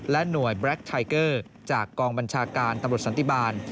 หน่วยแบล็คไทเกอร์จากกองบัญชาการตำรวจสันติบาล